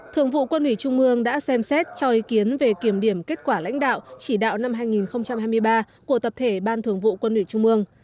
thường vụ quân ủy trung mương đã xem xét cho ý kiến về kiểm điểm kết quả lãnh đạo chỉ đạo năm hai nghìn hai mươi ba của tập thể ban thường vụ quân ủy trung ương